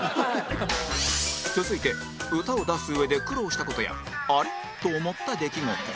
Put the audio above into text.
続いて歌を出す上で苦労した事やあれっ？と思った出来事